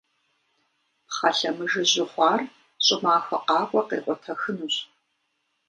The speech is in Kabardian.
Пхъэ лъэмыжыжьу хъуар, щӏымахуэ къакӏуэ къекъутэхынущ.